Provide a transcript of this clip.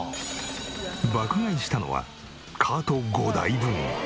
爆買いしたのはカート５台分。